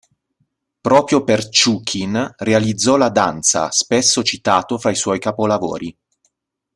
Proprio per Ščukin realizzò "La danza", spesso citato fra i suoi capolavori.